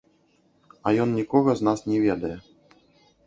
А ён нікога з нас не ведае.